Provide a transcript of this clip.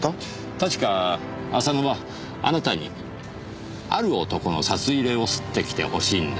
確か浅野はあなたに「ある男の札入れを掏ってきてほしいんだ」